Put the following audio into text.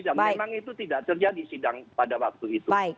dan memang itu tidak terjadi sidang pada waktu itu